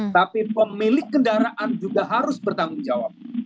tapi pemilik kendaraan juga harus bertanggung jawab